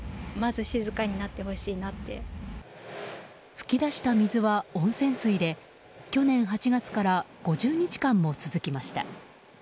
噴き出した水は温泉水で去年８月から５０日間も続きました。